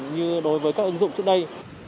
như đối với các ứng dụng trước đây